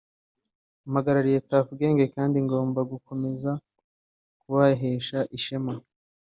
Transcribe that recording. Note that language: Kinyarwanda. mpagarariye Tuff Gang kandi ngomba gukomeza kubahesha ishema